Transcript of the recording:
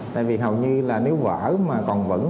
tại vì hầu như là nếu vỡ mà còn vững